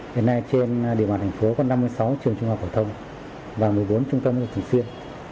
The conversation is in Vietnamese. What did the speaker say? đến nay trên địa mặt thành phố có năm mươi sáu trường trung học phổ thông và một mươi bốn trung tâm hội thường xuyên